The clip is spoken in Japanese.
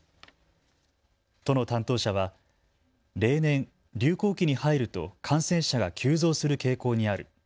都の担当者は例年、流行期に入ると感染者が急増する傾向にある。